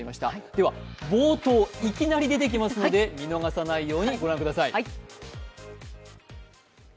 では冒頭、いきなり出てきますので見逃さないようにご覧ください。